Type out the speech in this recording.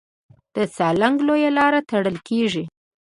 د سالنګ لویه لاره تړل کېږي.